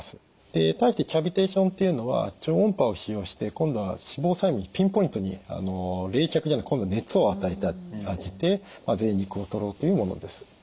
で対してキャビテーションというのは超音波を使用して今度は脂肪細胞にピンポイントに冷却じゃなくて今度は熱を与えてあげてぜい肉をとろうというものです。